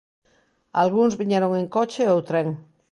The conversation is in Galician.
Algúns viñeron en coche ou tren.